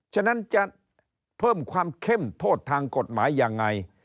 ฉะนั้นจะเพิ่มความเข้มโทษทางกฎหมายยังไง